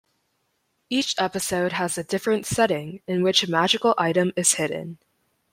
Each episode has a different setting in which a magical item is hidden.